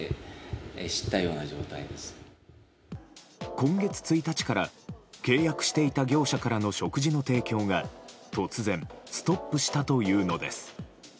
今月１日から契約していた業者からの食事の提供が突然ストップしたというのです。